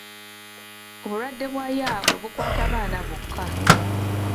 Obulwadde bwa yaabwe bukwata baana bokka.